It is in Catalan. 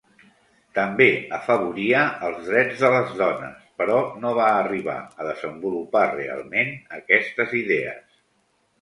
També afavoria els drets de les dones, però no va arribar a desenvolupar realment aquestes idees.